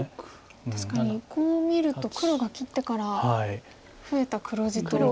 確かにこう見ると黒が切ってから増えた黒地と。